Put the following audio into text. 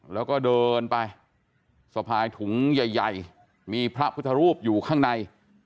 แล้วก็เดินไปสะพายถุงใหญ่มีพระพุทธรูปอยู่ข้างใน